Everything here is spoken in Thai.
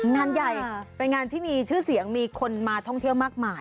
งานใหญ่เป็นงานที่มีชื่อเสียงมีคนมาท่องเที่ยวมากมาย